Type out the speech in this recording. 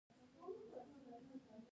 د بانک له لارې د معاش اخیستل ډیر اسانه دي.